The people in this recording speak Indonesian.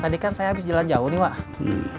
tadi kan saya habis jalan jauh nih wah